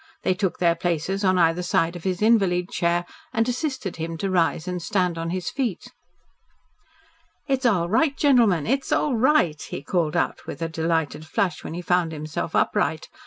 They took their places at either side of his invalid chair and assisted him to rise and stand on his feet. "It's all right, gentlemen. It's all right," he called out with a delighted flush, when he found himself upright.